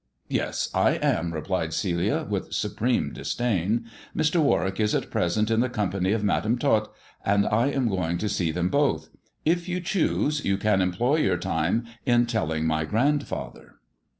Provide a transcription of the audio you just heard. "Yes, I am," replied Celia, with supreme disdain. "Mr. Warwick is at present in the company of Madam Tot, and I am going to see them both. If you so choose you can employ your time in telling my grandfather."